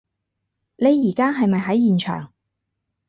你而家係咪喺現場？